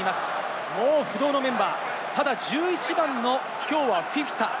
不動のメンバー、ただ１１番のきょうはフィフィタ。